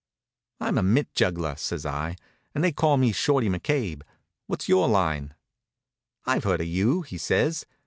"I'm a mitt juggler," says I, "and they call me Shorty McCabe. What's your line?" "I've heard of you," he says.